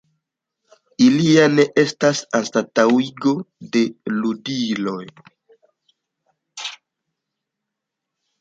Ili ja ne estas anstataŭigo de ludiloj.